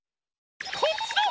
こっちだ！